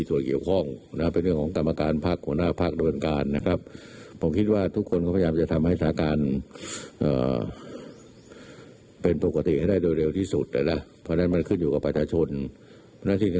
ตอบคำถามเท่านี้แล้วก็เดินจากไปค่ะ